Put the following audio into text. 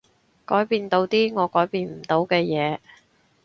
改變到啲我改變唔到嘅嘢